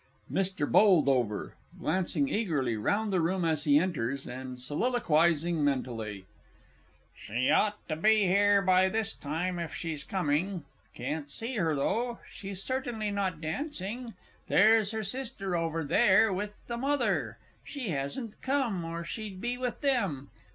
MR. BOLDOVER (glancing eagerly round the room as he enters, and soliloquising mentally). She ought to be here by this time, if she's coming can't see her though she's certainly not dancing. There's her sister over there with the mother. She hasn't come, or she'd be with them.